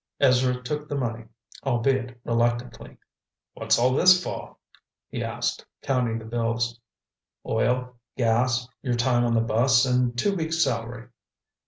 Ezra took the money, albeit reluctantly. "What's all this for?" he asked, counting the bills. "Oil, gas, your time on the bus and two weeks' salary."